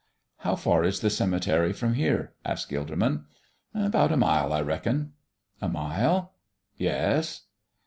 "How far is the cemetery from here?" asked Gilderman. "About a mile, I reckon." "A mile?" "Yes."